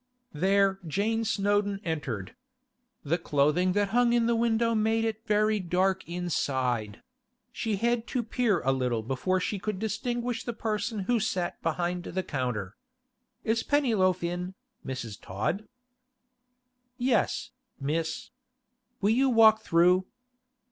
There Jane Snowdon entered. The clothing that hung in the window made it very dark inside; she had to peer a little before she could distinguish the person who sat behind the counter. 'Is Pennyloaf in, Mrs. Todd?' 'Yes, Miss. Will you walk through?